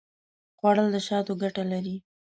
خوړل د شاتو ګټه لري